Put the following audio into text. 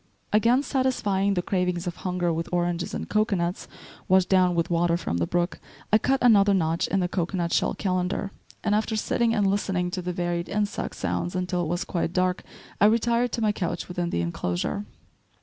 Again satisfying the cravings of hunger with oranges and cocoanuts, washed down with water from the brook, I cut another notch in the cocoanut shell calendar, and after sitting and listening to the varied insect sounds until it was quite dark, I retired, to my couch within the inclosure.